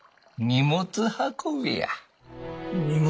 荷物運び？